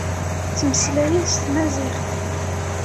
Ttmeslayen s tmaziɣt.